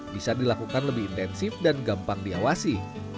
bisa dilakukan lebih intensif dan gampang diawasi